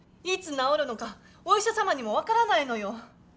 いつ治るのかお医者様にも分からないのよ。